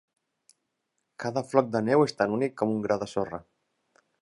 Cada floc de neu és tan únic com un gra de sorra.